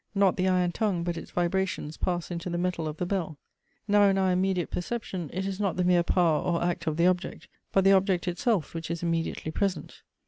Not the iron tongue, but its vibrations, pass into the metal of the bell. Now in our immediate perception, it is not the mere power or act of the object, but the object itself, which is immediately present.